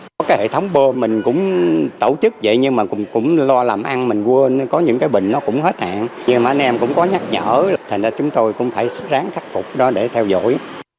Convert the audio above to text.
có cái hệ thống bô mình cũng tổ chức vậy nhưng mà cũng lo làm ăn mình có những cái bình nó cũng hết hạn nhưng mà anh em cũng có nhắc nhở thành nên chúng tôi cũng phải sức ráng khắc phục đó để theo dõi